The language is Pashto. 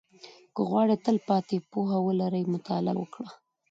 • که غواړې تلپاتې پوهه ولرې، مطالعه وکړه.